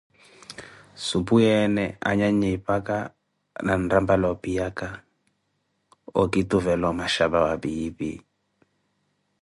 supuyeene anyanyi eepaka na nrampala opiyaka, okituvelawo omachapa wa piipi.